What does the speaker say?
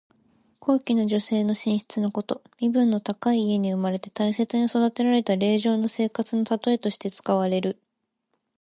高貴な女性の寝室のこと。身分の高い家に生まれて大切に育てられた令嬢の生活のたとえとして使われる。